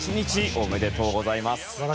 おめでとうございます。